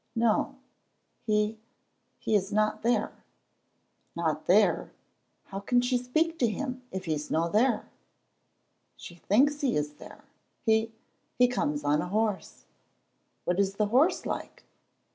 "No, he he is not there." "Not there! How can she speak to him if he's no there?" "She thinks he is there. He he comes on a horse." "What is the horse like?"